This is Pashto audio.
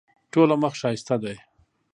ټوله مخ ښایسته ده.